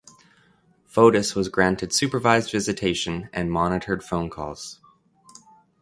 Fotis was granted supervised visitation and monitored phone calls.